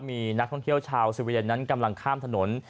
มีนักท่องเที่ยวชาวสวีเดนนั้นกำลังข้ามถนน